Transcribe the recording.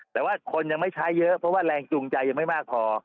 แต่ว่าคนยังไม่ใช้เยอะเพราะว่าแรงจูงใจยังไม่มากพอ